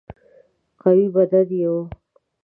قوي بدن یې وو.